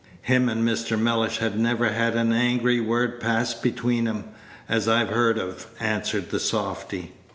"Him and Mr. Mellish had never had an angry word pass between 'em, as I've heard of," answered the softy.